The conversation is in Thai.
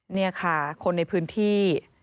นี่ค่ะคนในพื้นที่